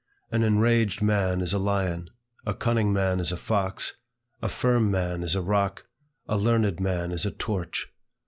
An enraged man is a lion, a cunning man is a fox, a firm man is a rock, a learned man is a torch.